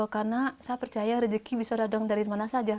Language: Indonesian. karena saya percaya rezeki bisa radang dari mana saja